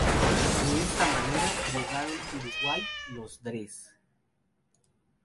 De esta manera llegaron Uruguay los Dres.